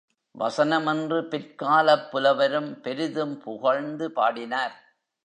வசனம் என்று பிற்காலப் புலவரும் பெரிதும் புகழ்ந்து பாடினார்.